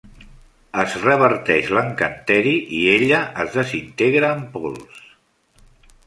Es reverteix l'encanteri i ella es desintegra en pols.